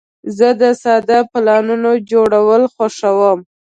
زه د ساده پلانونو جوړول خوښوم.